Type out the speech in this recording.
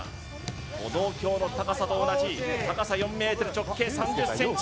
歩道橋の高さと同じ高さ４ｍ直径３０ｃｍ